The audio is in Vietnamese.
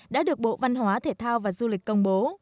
đã được bộ văn hóa thể thao và du lịch công bố